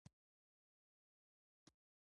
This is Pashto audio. انا د اولادونو په بریا خوشحالېږي